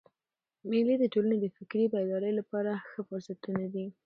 مېلې د ټولني د فکري بیدارۍ له پاره ښه فرصتونه دي.